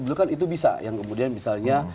dulu kan itu bisa yang kemudian misalnya